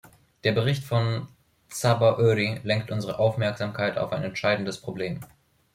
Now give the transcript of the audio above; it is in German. Der Bericht von Csaba Őry lenkt unsere Aufmerksamkeit auf ein entscheidendes Problem.